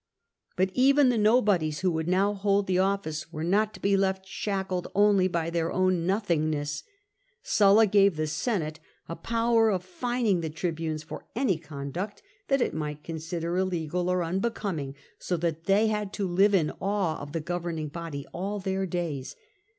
But even the nobodies who would now hold the office were not to he left shackled only by their own nothing ness. Sulla gave the Senate a power of fining the trp banes ior "toy conduct that it might consider illegal or unbecoming, so that they had to live in awe of the governing body all their days.